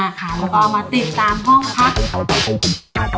แล้วก็เอามาติดตามห้องภักดิ์